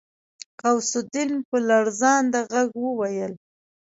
غوث الدين په لړزانده غږ وويل.